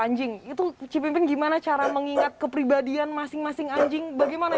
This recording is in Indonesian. anjing itu cipimpin gimana cara mengingat kepribadian masing masing anjing bagaimana